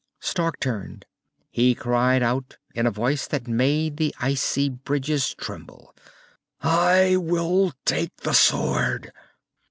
Stark turned. He cried out, in a voice that made the icy bridges tremble: "I will take the sword!"